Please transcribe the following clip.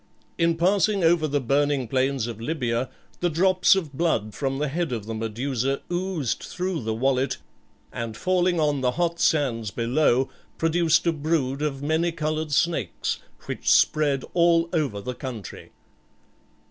In passing over the burning plains of Libya the drops of blood from the head of the Medusa oozed through the wallet, and falling on the hot sands below produced a brood of many coloured snakes, which spread all over the country.